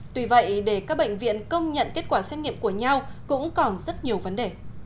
tuy vậy để các bệnh viện công nhận kết quả xét nghiệm của nhau cũng còn rất nhiều vấn đề